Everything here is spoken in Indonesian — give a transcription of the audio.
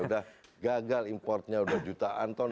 sudah gagal importnya sudah jutaan ton